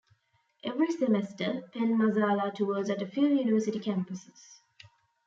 Every semester, Penn Masala tours at a few university campuses.